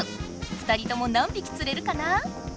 ２人とも何びきつれるかな？